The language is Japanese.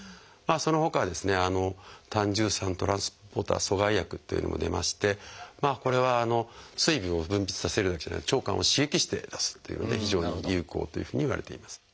そのほかは「胆汁酸トランスポーター阻害薬」というのも出ましてこれは水分を分泌させるだけじゃなく腸管を刺激して出すっていうので非常に有効というふうにいわれています。